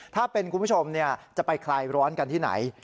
ถ้าเป็นคุณผู้ชมจะไปคลายร้อนกันที่ไหน